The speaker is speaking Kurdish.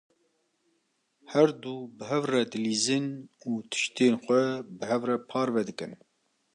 Her du bi hev re dilîzin û tiştên xwe bi hev re parve dikin.